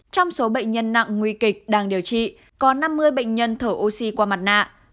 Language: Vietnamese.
trong số bệnh nhân nặng nguy kịch đang điều trị có năm mươi bệnh nhân thở oxy qua mặt nạ